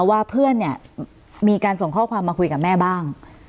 ว่าเพื่อนเนี่ยมีการส่งข้อความมาคุยกับแม่บ้าง